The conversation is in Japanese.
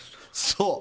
そう。